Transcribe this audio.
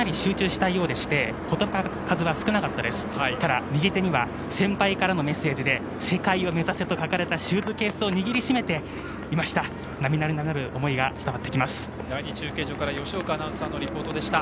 ただ、右手には先輩からのメッセージで世界を目指せと書かれたシューズケースを握り締めていました。